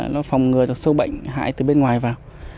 nó phòng ngừa được sâu bệnh hại từ bên ngoài vào